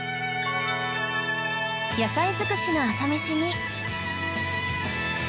野菜づくしの朝メシに